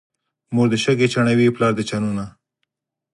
مور دې شګې چڼوي، پلار دې چنونه.